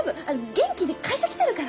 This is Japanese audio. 元気に会社来てるから。